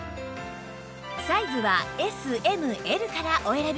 サイズは ＳＭＬ からお選びください